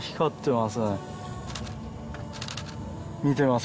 見てます